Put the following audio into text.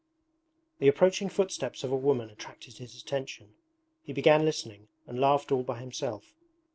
The approaching footsteps of a woman attracted his attention. He began listening, and laughed all by himself.